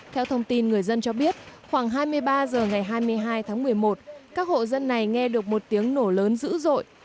theo thông tin người dân cho biết khoảng hai mươi ba h ngày hai mươi hai tháng một mươi một các hộ dân này nghe được một tiếng nổ lớn dữ dội